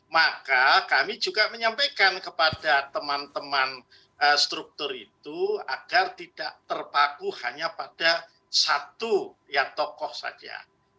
maka kami juga menyampaikan kepada teman teman struktur itu agar tidak terpaku hanya pada satu ya tokoh saja